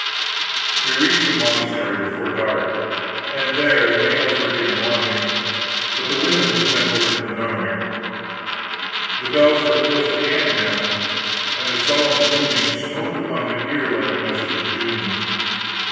We reached the monastery before dark, and there the males were given lodging, but the women were sent over to the nunnery. The bells were close at hand now, and their solemn booming smote upon the ear like a message of doom.